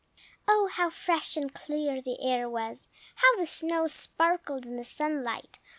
Oh, how fresh and clear the air was! How the snow sparkled in the sunlight!